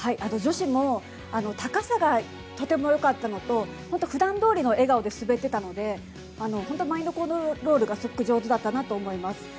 女子も高さがとても良かったのと本当、普段どおりの笑顔で滑っていたのでマインドコントロールがすごく上手だったなと思います。